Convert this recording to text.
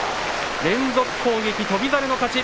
連続攻撃、翔猿の勝ち。